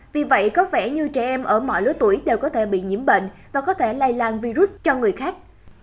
vì vậy có vẻ như trẻ em ở mọi lứa tuổi đều có thể bị nhiễm bệnh và có thể lây lan virus cho người khác